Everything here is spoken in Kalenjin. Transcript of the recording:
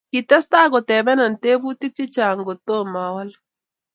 Kitestai kotepena tebutik chechang kotoma a walu.